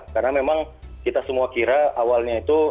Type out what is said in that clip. karena memang kita semua kira awalnya itu